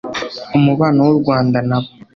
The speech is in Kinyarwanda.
umubano w'u Rwanda nabo